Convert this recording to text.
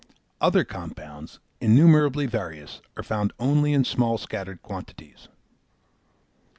Other compounds, innumerably various, are found only in small scattered quantities.